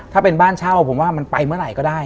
ถ้าเป็นบ้านเช่าผมว่ามันไปเมื่อไหร่ก็ได้